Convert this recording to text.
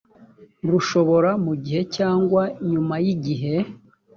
rushobora mu gihe cyangwa nyuma y igihe